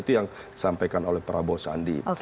itu yang disampaikan oleh prabowo sandi